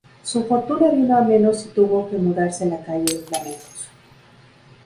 Su fortuna vino a menos y tuvo que mudarse a la calle de Flamencos.